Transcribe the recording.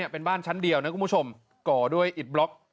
เป็นบ้านชั้นเดียวนะคุณผู้ชมก่อด้วยอิดบล็อก